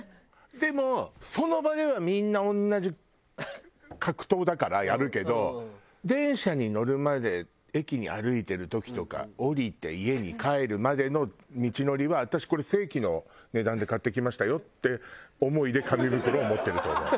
でもその場ではみんな同じ格闘だからやるけど電車に乗るまで駅に歩いてる時とか降りて家に帰るまでの道のりは「私これ正規の値段で買ってきましたよ」って思いで紙袋を持ってると思う。